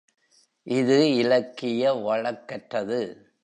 இது இலக்கிய வழக்கற்றது.